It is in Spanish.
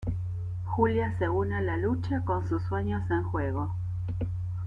Julia se une a la lucha con sus sueños en juego.